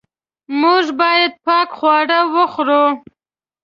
موږ باید پاک خواړه وخورو.